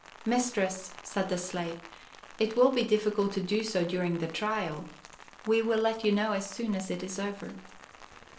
"Mistress," said the slave, "it will be difficult to do so during the trial. We will let you know as soon as it is over."